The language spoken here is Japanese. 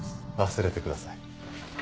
忘れてください。